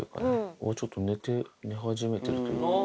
もうちょっと寝て、寝始めてるというか。